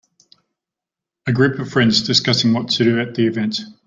A group of friends discussing what to do at the event.